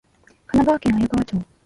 香川県綾川町